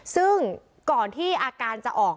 ซึ่งก่อนที่อาการจะออก